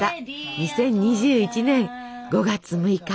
２０２１年５月６日。